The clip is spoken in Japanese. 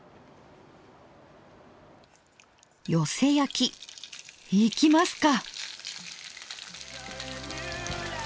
よせ焼きいきますか！